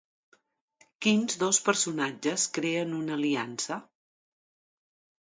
Quins dos personatges creen una aliança?